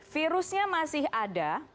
virusnya masih ada